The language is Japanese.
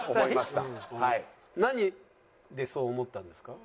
何でそう思ったんですか？